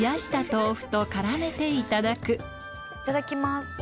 いただきます！